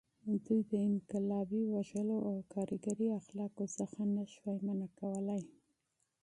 دوی د انقلابي وژلو او کارګري اخلاقو څخه نه شوای منع کولی.